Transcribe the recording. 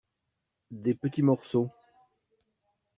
Des petits morceaux.